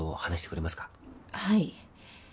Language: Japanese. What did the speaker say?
はい。